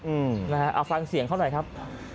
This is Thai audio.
เอาฟังเสียงเขาหน่อยครับ